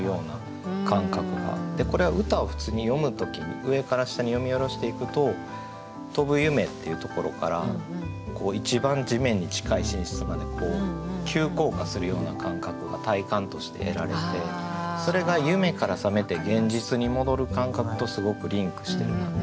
これは歌を普通に読む時に上から下に読み下ろしていくと「飛ぶ夢」っていうところから「一番地面に近い寝室」まで急降下するような感覚が体感として得られてそれが夢から覚めて現実に戻る感覚とすごくリンクしてるなと。